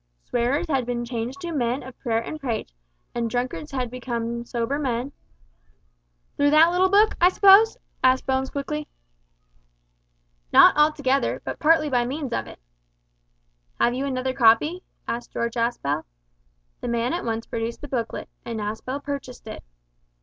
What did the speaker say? Swearers had been changed to men of prayer and praise, and drunkards had become sober men "Through that little book, I suppose?" asked Bones quickly. "Not altogether, but partly by means of it." "Have you another copy?" asked George Aspel. The man at once produced the booklet, and Aspel purchased it.